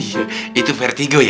iya itu vertigo ya